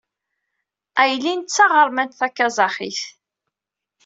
Aylin d taɣermant takaẓaxit.